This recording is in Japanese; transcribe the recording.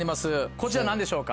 こちら何でしょうか？